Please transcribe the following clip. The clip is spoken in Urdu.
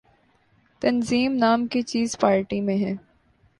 تنظیم نام کی چیز پارٹی میں ہے۔